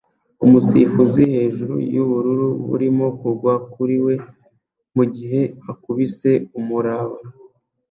Umusifuzi hejuru yubururu burimo kugwa kuri we mugihe akubise umuraba